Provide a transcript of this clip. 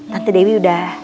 tante dewi udah